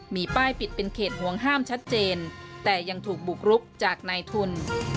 มีป้ายปิดเป็นเขตห่วงห้ามชัดเจนแต่ยังถูกบุกรุกจากนายทุน